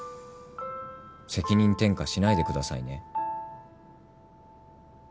責任転嫁しないでくださいね。